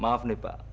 maaf nih pak